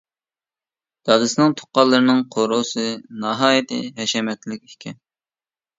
دادىسىنىڭ تۇغقانلىرىنىڭ قورۇسى ناھايىتى ھەشەمەتلىك ئىكەن.